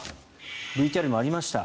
ＶＴＲにもありました。